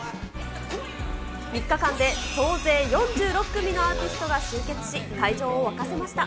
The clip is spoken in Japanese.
３日間で総勢４６組のアーティストが集結し、会場を沸かせました。